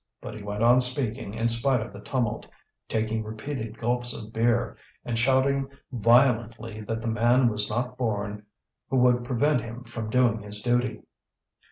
But he went on speaking in spite of the tumult, taking repeated gulps of beer, and shouting violently that the man was not born who would prevent him from doing his duty.